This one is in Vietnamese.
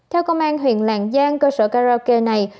theo công an huyện lạng giang cơ sở karaoke này